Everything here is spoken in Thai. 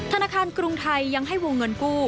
ธนาคารกรุงไทยยังให้วงเงินกู้